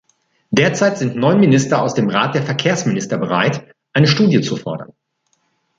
Derzeit sind neun Minister aus dem Rat der Verkehrsminister bereit, eine Studie zu fordern.